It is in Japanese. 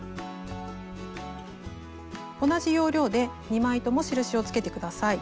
同じ要領で２枚とも印をつけて下さい。